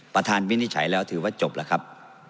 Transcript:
ประธานวินิจัยแล้วถือว่าจบล่ะครับ